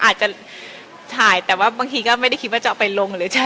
อาจจะถ่ายแต่ว่าบางทีก็ไม่ได้คิดว่าจะเอาไปลงหรือจะ